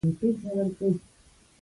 ماشوم مخکې له بستر څخه تلویزیون ګوري.